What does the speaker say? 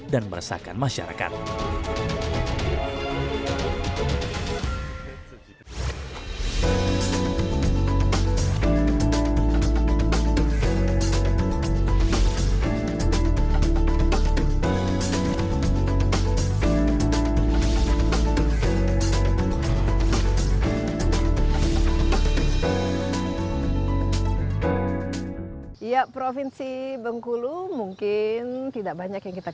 dan meresahkan masyarakat